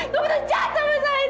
kamu betul jahat sama saya